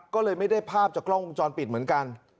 ก็เลยไม่ได้ภาพจากกล้องวงจรปิดเหมือนกัน